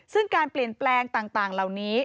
ซึ่งการเปลี่ยนแปลงต่างเหล่านี้